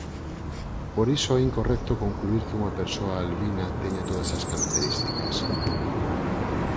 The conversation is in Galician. Por iso é incorrecto concluír que unha persoa albina teña todas as características.